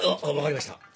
あわかりました。